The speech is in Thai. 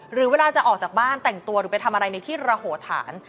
หรือเวลาจะออกจากบ้านแต่งตัวหรือไปทำอะไรในที่ระโหฐาน